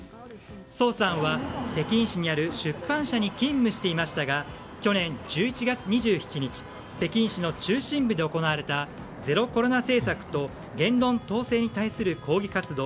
ソウさんは北京市にある出版社に勤務していましたが去年１１月２７日北京市の中心部で行われたゼロコロナ政策と言論統制に対する抗議活動